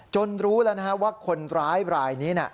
รู้แล้วว่าคนร้ายรายนี้